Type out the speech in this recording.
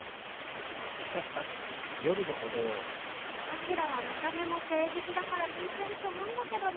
あきらは見た目も誠実だから向いてると思うんだけどね。